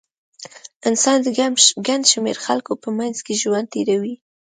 انسان د ګڼ شمېر خلکو په منځ کې ژوند تېروي.